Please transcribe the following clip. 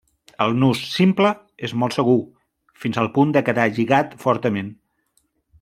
El nus simple és molt segur, fins al punt de quedar lligat fortament.